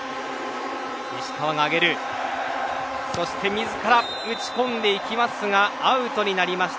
自ら打ち込んでいきますがアウトになりました。